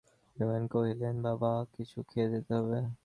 হরিমোহিনী কহিলেন, বাবা, তোমাকে কিছু খেয়ে যেতে হবে।